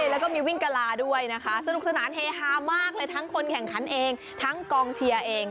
แล้วก็มีวิ่งกะลาด้วยนะคะสนุกสนานเฮฮามากเลยทั้งคนแข่งขันเองทั้งกองเชียร์เอง